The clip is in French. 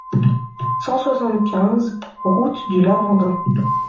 cent soixante-quinze route du Lavandin